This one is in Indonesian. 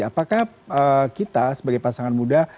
apakah kita sebagai pasangan muda